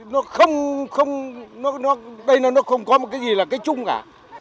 nó không đây nó không có cái gì là cái chung cả